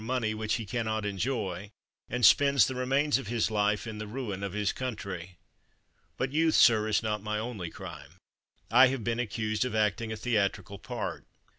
194 CHATHAM not enjoy, and spends the remains of his life in the ruin of his country. But youth, sir, is not my only crime. I have been accused of acting a theatrical part.